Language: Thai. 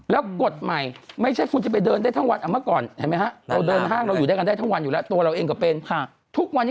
แล้วกดใหม่ไม่ใช่คุณจะไปเดินได้ทั้งวัน